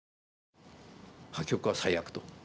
破局は最悪と。